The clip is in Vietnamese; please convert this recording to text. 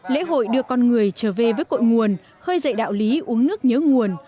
lễ hội đưa con người trở về với cội nguồn khơi dậy đạo lý uống nước nhớ nguồn